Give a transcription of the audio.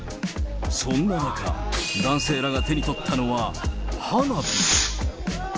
そんな中、男性らが手に取ったのは花火。